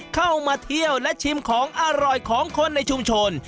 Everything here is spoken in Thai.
เข้ามาเที่ยวและชิมของอร่อยของคนในชุมชน